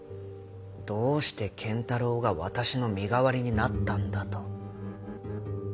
「どうして賢太郎が私の身代わりになったんだ」と。